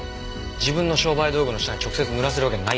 自分の商売道具の舌に直接塗らせるわけないだろ。